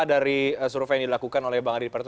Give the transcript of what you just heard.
dari survei yang dilakukan oleh bang arief pratun